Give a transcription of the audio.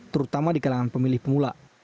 terutama di kalangan pemilih pemula